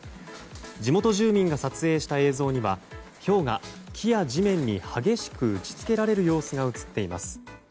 地元住人が撮影した映像にはひょうが木や地面に激しく打ち付けられる様子が映っています。